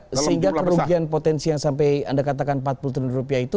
sehingga kerugian potensi yang sampai anda katakan empat puluh triliun rupiah itu